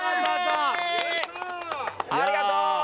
ありがとう！